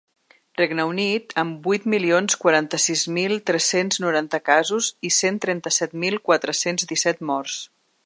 Regne Unit, amb vuit milions quaranta-sis mil tres-cents noranta casos i cent trenta-set mil quatre-cents disset morts.